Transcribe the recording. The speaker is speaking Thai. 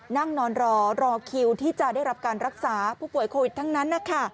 นั่งนอนรอรอคิวที่จะได้รับการรักษาผู้ป่วยโควิดทั้งนั้นนะคะ